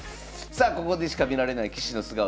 さあここでしか見られない棋士の素顔